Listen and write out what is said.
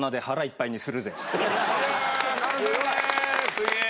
すげえ。